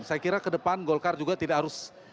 saya kira kedepan golkar juga tidak harus